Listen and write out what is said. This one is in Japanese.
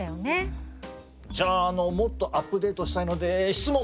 じゃあもっとアップデートしたいので質問！